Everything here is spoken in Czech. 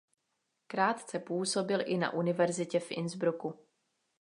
Krátce působil i na univerzitě v Innsbrucku.